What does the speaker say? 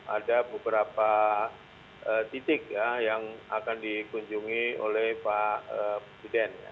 ada beberapa titik ya yang akan dikunjungi oleh pak presiden